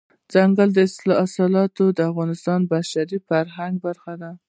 دځنګل حاصلات د افغانستان د بشري فرهنګ برخه ده.